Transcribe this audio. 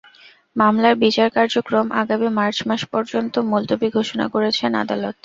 মামলার বিচার কার্যক্রম আগামী মার্চ মাস পর্যন্ত মুলতবি ঘোষণা করেছেন আদালত।